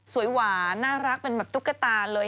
หวานน่ารักเป็นแบบตุ๊กตาเลย